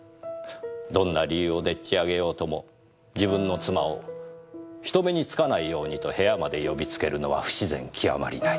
どんな理由をでっちあげようとも自分の妻を人目に付かないようにと部屋まで呼びつけるのは不自然極まりない。